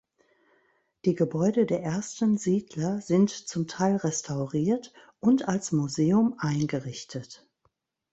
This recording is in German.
Die Gebäude der ersten Siedler sind zum Teil restauriert und als Museum eingerichtet.